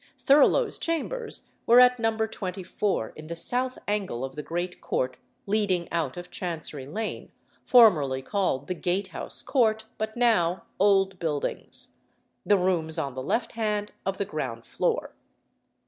Thurloe's chambers were at No. 24 in the south angle of the great court leading out of Chancery Lane, formerly called the Gatehouse Court, but now Old Buildings the rooms on the left hand of the ground floor.